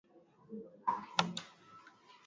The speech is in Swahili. Mtoto akichoma nyumba auwezi mutupia amo